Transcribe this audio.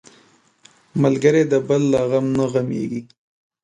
ملګری د بل له غم نه غمېږي